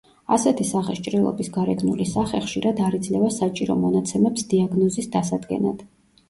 ასეთი სახის ჭრილობის გარეგნული სახე ხშირად არ იძლევა საჭირო მონაცემებს დიაგნოზის დასადგენად.